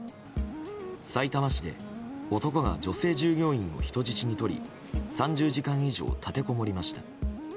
さいたま市で男が女性従業員を人質に取り３０時間以上立てこもりました。